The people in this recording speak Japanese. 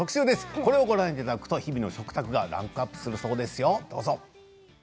これをご覧いただくと日々の食卓がランクアップするそうですよ。